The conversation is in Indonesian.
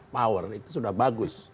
power itu sudah bagus